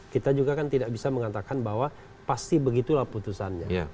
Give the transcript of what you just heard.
kita juga kan tidak bisa mengatakan bahwa pasti begitulah putusannya